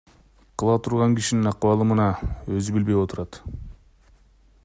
Кыла турган кишинин акыбалы мына, өзү билбей отурат.